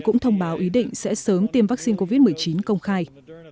cũng thông báo ý định sẽ sớm tiêm vaccine covid một mươi chín công khai